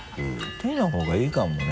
手の方がいいかもね。